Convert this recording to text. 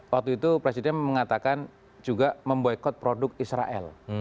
waktu itu presiden mengatakan juga memboykot produk israel